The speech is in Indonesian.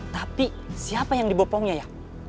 tapi siapa yang dibopongnya ya